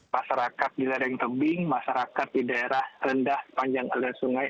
masyarakat di lereng tebing masyarakat di daerah rendah panjang aliran sungai